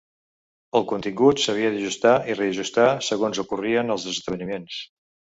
El contingut s’havia d’ajustar i reajustar segons ocorrien els esdeveniments.